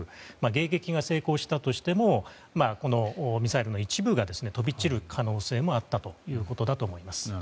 迎撃が成功したとしてもミサイルの一部が飛び散る可能性もあったということだと思います。